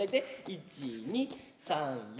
１２３４。